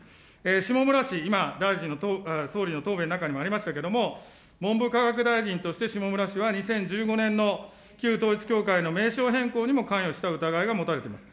下村氏、今、大臣の、総理の答弁の中でもありましたけれども、文部科学大臣として下村氏は２０１５年の旧統一教会の名称変更にも関与した疑いが持たれています。